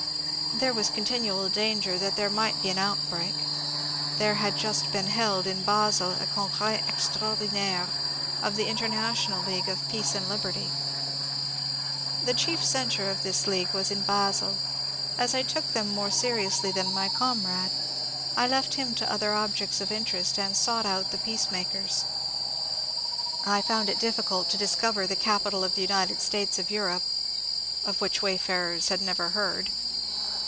There was continual danger that there might be an out break. There had just been held in Basle a congres extraor dinaire of the International Lfcague of ^' Peace and Liberty." 222 MONCURE DANIEL CONWAY The chief centre of this leagae was in Basle ; as I took them more seriously than my comrade, I left him to other objects of interest and sought out the peacemakers. I found it diffi cult to discover the Capitol of the United States of Europe, of which wayfarers had never heard.